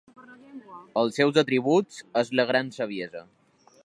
Els seus atributs és la Gran Saviesa.